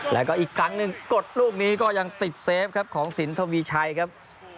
แล้วก็อีกครั้งหนึ่งกดลูกนี้ก็ยังติดเซฟครับของสินทวีชัยครับ